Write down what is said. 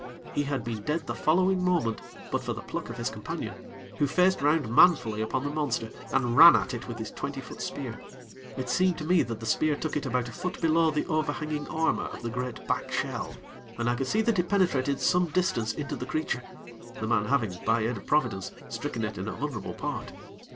He had been dead the following moment, but for the pluck of his companion, who faced round manfully upon the monster, and ran at it with his twenty foot spear. It seemed to me that the spear took it about a foot below the overhanging armor of the great back shell, and I could see that it penetrated some distance into the creature, the man having, by the aid of Providence, stricken it in a vulnerable part.